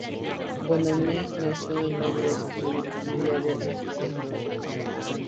Bonomi nació en Londres en una familia de arquitectos.